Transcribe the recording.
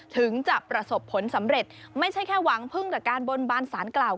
ถึงจะประสบผลสำเร็จไม่ใช่แค่หวังพึ่งกับการบนบานสารกล่าว